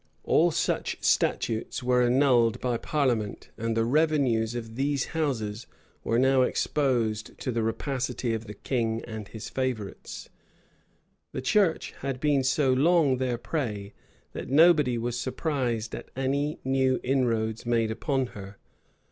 All such statutes were annulled by parliament; and the revenues of these houses were now exposed to the rapacity of the king and his favorites.[] The Church had been so long their prey, that nobody was surprised at any new inroads made upon her.